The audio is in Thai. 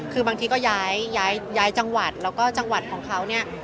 คือบางทีก็ย้ายจังหวัดแล้วก็จังหวัดของเขาเนี่ย